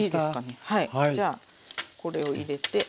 じゃあこれを入れて。